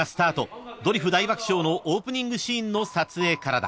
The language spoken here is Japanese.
［『ドリフ大爆笑』のオープニングシーンの撮影からだ］